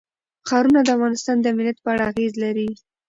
ښارونه د افغانستان د امنیت په اړه اغېز لري.